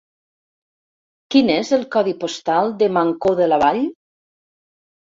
Quin és el codi postal de Mancor de la Vall?